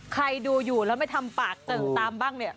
ใครดูอยู่แล้วไม่ทำปากเติ่งตามบ้างเนี่ย